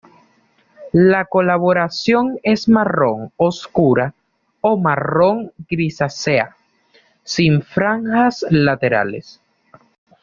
La coloración es marrón oscura o marrón grisácea, sin franjas laterales.